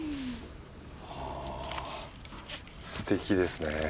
あぁすてきですね。